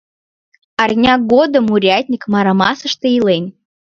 Арня годым урядник Марамасыште илен.